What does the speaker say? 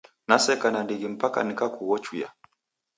Naseka nandighi mpaka nikakughochuya.